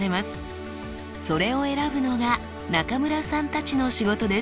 それを選ぶのが中村さんたちの仕事です。